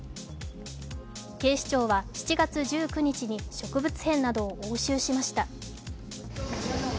警視庁は７月１９日に植物片などを押収しました。